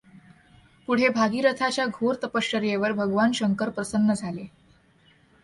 पुढे भगीरथाच्या घोर तपश्चर्येवर भगवान शंकर प्रसन्न झाले.